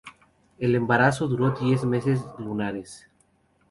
El embarazo duró diez meses lunares.